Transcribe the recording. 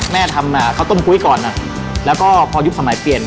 แม่ทำข้าวต้มกุ้ยก่อนแล้วก็พอยุคสมัยเปลี่ยน